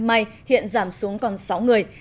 may hiện giảm xuống còn sáu người